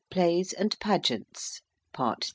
PLAYS AND PAGEANTS. PART III.